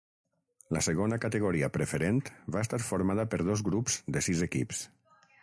La Segona Categoria Preferent va estar formada per dos grups de sis equips.